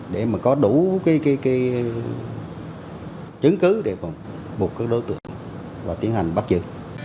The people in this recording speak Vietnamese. để mà có đủ cái chứng cứ để bục các đối tượng và tiến hành bắt giữ